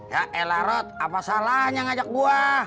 ya elah rot apa salahnya ngajak gua